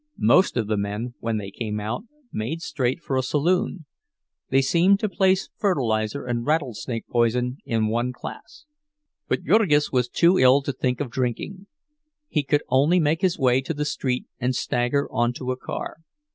Most of the men, when they came out, made straight for a saloon—they seemed to place fertilizer and rattlesnake poison in one class. But Jurgis was too ill to think of drinking—he could only make his way to the street and stagger on to a car.